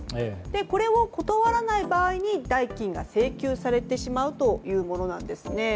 これを断らない場合に代金が請求されてしまうというものです。